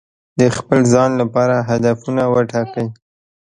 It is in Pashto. د خپل ځان لپاره هدفونه وټاکئ.